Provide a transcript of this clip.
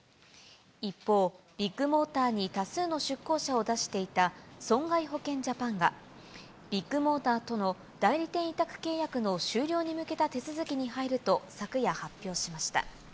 一方、ビッグモーターに多数の出向者を出していた損害保険ジャパンが、ビッグモーターとの代理店委託契約の終了に向けた手続きに入ると昨夜、発表しました。